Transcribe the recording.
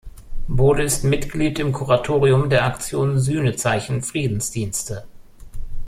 Bode ist Mitglied im Kuratorium der Aktion Sühnezeichen Friedensdienste.